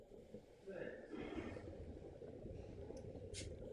Tam jsou pohřbeny pozůstatky předků nalezené při amatérském archeologickém průzkumu.